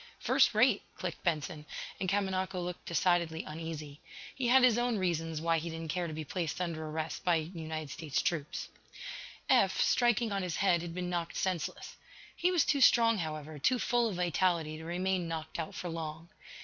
"First rate," clicked Benson, and Kamanako looked decidedly uneasy. He had his own reasons why he didn't care to be placed under arrest by United States troops. Eph, striking on his head, had been knocked senseless. He was too strong, however, too full of vitality, to remain knocked out for long.